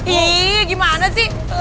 ih gimana sih